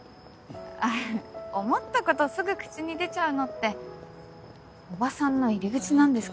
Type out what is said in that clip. あ思ったことすぐ口に出ちゃうのっておばさんの入り口なんですかね？